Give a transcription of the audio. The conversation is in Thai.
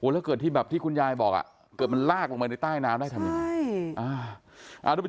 แล้วเกิดที่แบบที่คุณยายบอกเกิดมันลากลงไปในใต้น้ำได้ทำยังไง